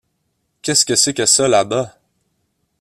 Qu’est-ce que c’est que ça là-bas?